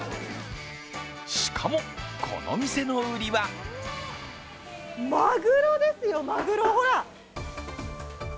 しかも、この店の売りはまぐろですよ、まぐろ、ほら！